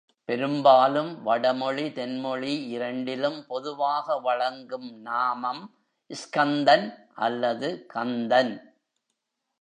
பெரும்பாலும் வடமொழி தென்மொழி இரண்டிலும் பொதுவாக வழங்கும் நாமம் ஸ்கந்தன் அல்லது கந்தன்.